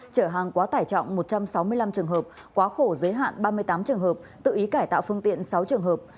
trở hàng quá tải trọng một trăm sáu mươi năm trường hợp quá khổ giới hạn ba mươi tám trường hợp tự ý cải tạo phương tiện sáu trường hợp